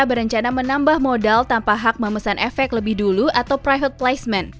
berencana menambah modal tanpa hak memesan efek lebih dulu atau private placement